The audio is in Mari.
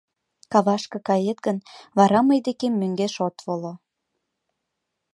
Кавашке кает гын, вара мый декем мӧҥгеш от воло...